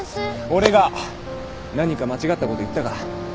俺が何か間違ったこと言ったか？